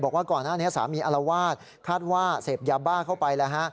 บอกว่าก่อนหน้านี้สามีอารวาสคาดว่าเสพยาบ้าเข้าไปแล้วฮะ